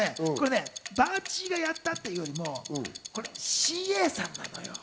ばーちーがやったっていうよりもＣＡさんなのよ。